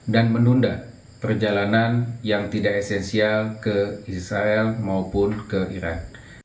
dan menunda perjalanan yang tidak esensial ke israel maupun ke iran